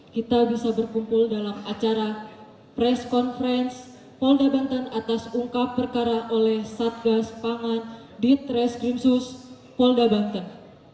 kita bisa berkumpul dalam acara pres konferensi polda banten atas ungkap perkara oleh satgas pangan di tres grimsus polda banten